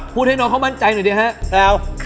พูดให้น้องเค้ามั่นใจหน่อยดิครับ